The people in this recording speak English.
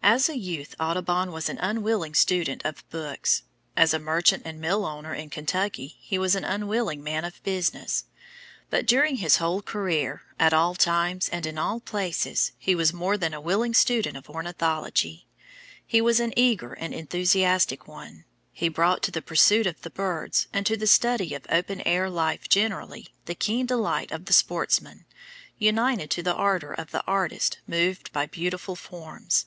As a youth Audubon was an unwilling student of books; as a merchant and mill owner in Kentucky he was an unwilling man of business, but during his whole career, at all times and in all places, he was more than a willing student of ornithology he was an eager and enthusiastic one. He brought to the pursuit of the birds, and to the study of open air life generally, the keen delight of the sportsman, united to the ardour of the artist moved by beautiful forms.